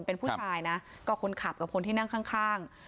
เป็นผู้ชายนะก็คนขับกับคนที่นั่งข้าง